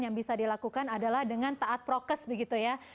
yang bisa dilakukan adalah dengan taat prokes begitu ya